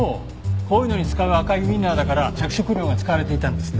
こういうのに使う赤いウィンナーだから着色料が使われていたんですね。